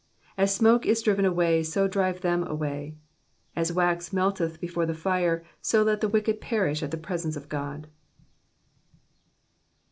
2 As smoke is driven away, so drive them away : as wax melteth before the fire, so let the wicked perish at the presence of God.